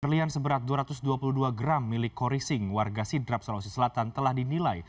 berlian seberat dua ratus dua puluh dua gram milik khori singh warga sidrap sulawesi selatan telah dinilai